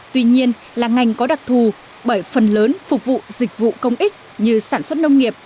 tuy nhiên là ngành có đặc thù bởi phần lớn phục vụ dịch vụ công ích như sản xuất nông nghiệp